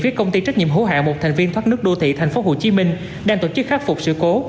phía công ty trách nhiệm hữu hạng một thành viên thoát nước đô thị tp hcm đang tổ chức khắc phục sự cố